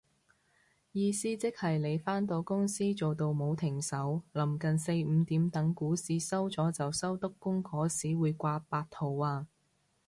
意思即係你返到公司做到冇停手，臨近四五點等股市收咗就收得工嗰時會掛八號啊